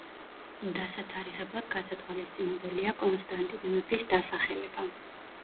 დასათარიღებლად გასათვალისწინებელია კონსტანტინე მეფის დასახელება.